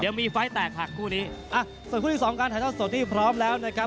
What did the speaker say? เดี๋ยวมีไฟล์แตกหักคู่นี้อ่ะส่วนคู่ที่สองการถ่ายทอดสดที่พร้อมแล้วนะครับ